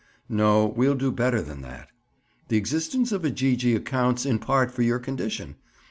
"No, we'll do better than that. The existence of a Gee gee accounts, in part, for your condition.